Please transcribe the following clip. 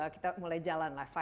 kita mulai jalan lah